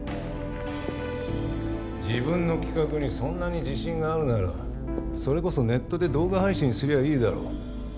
自分の企画にそんなに自信があるならそれこそネットで動画配信すりゃいいだろ。